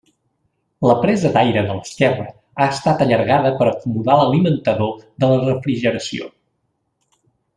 La presa d'aire de l'esquerra ha estat allargada per acomodar l'alimentador de la refrigeració.